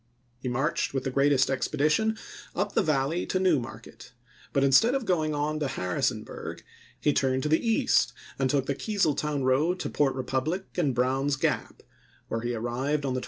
He marched with the greatest expedition up the Valley to New Market, but instead of going on to Harrisonburg he turned to the east and took the Keezeltown road to Port Republic and Brown's Gap, where he arrived on sept.